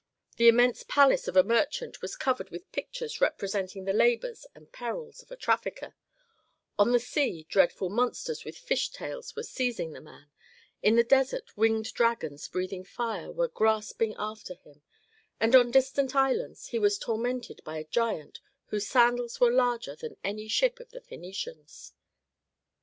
The immense palace of a merchant was covered with pictures representing the labors and perils of a trafficker: on the sea dreadful monsters with fish tails were seizing the man; in the desert winged dragons breathing fire were grasping after him, and on distant islands he was tormented by a giant whose sandals were larger than any ship of the Phœnicians.